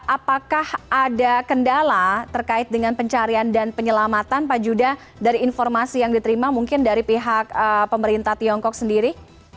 apakah ada kendala terkait dengan pencarian dan penyelamatan pak judah dari informasi yang diterima mungkin dari pihak pemerintah tiongkok sendiri